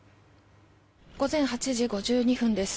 午前８時５２分です。